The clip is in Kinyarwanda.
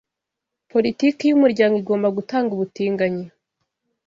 politiki yumuryango igomba gutanga ubutinganyi